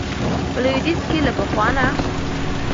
په لويديځ کې له پخوا نه